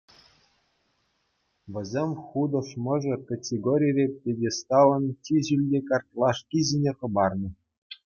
Вӗсем «Хутӑш мӑшӑр» категорире пьедесталӑн чи ҫӳлти картлашки ҫине хӑпарнӑ.